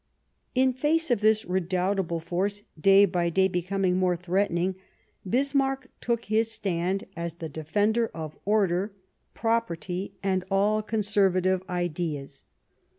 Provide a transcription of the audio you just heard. In face of this redoubtable force, day by day becoming more threatening, Bismarck took his stand as the defender of order, property and all conservative ideas.